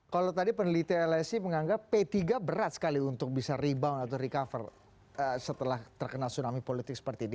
kalau tadi peneliti lsi menganggap p tiga berat sekali untuk bisa rebound atau recover setelah terkena tsunami politik seperti ini